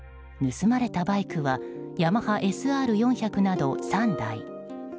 盗まれたバイクはヤマハＳＲ４００など、３台。